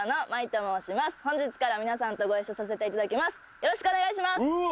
よろしくお願いします！